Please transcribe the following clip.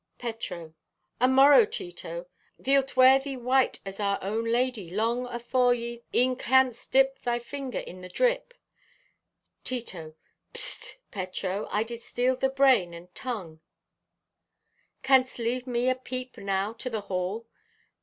(Petro) "Amorrow, Tito. Thee'lt wear thee white as our own Lady long afore ye e'en canst dip thy finger in the drip." (Tito) "Pst! Petro, I did steal the brain and tung. Canst leave me have a peep now to the hall?